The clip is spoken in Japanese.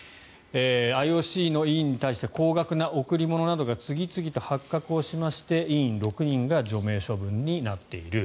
ＩＯＣの委員に対して高額な贈り物などが次々と発覚しまして委員６人が除名処分になっている。